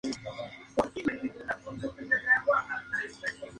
Los entrenadores del show fueron Prince Royce, Paulina Rubio y Roberto Tapia.